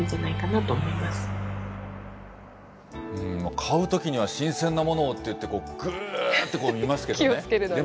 買うときには新鮮なものをとぐっと見ますけどね。